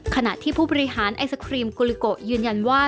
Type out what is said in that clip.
ขณะที่ผู้บริหารไอศครีมโกลิโกยืนยันว่า